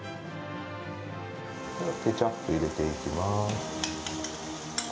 ケチャップを入れていきます。